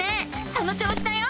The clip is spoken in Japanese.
その調子だよ！